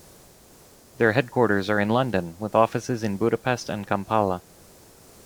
Their headquarters are in London, with offices in Budapest and Kampala.